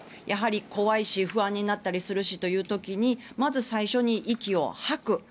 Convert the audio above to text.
やはり、怖いし不安になったりするしという時にまず最初に息を吐く。